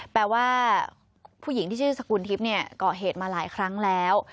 แปลว่าผู้หญิงที่ชื่อสกุลทิพย์เนี่ยก่อเหตุมาหลายครั้งแล้ว